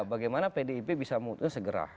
bagaimana pdip bisa mundur segera